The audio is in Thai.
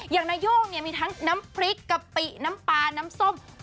อย่างนาย่งเนี่ยมีทั้งน้ำพริกกะปิน้ำปลาน้ำส้ม